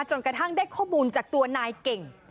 จนกระทั่งได้ข้อมูลจากตัวนายเก่ง